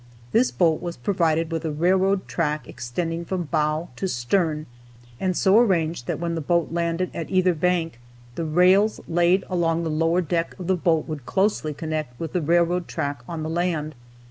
This boat was provided with a railroad track extending from bow to stern, and so arranged that when the boat landed at either bank, the rails laid along the lower deck of the boat would closely connect with the railroad track on the land.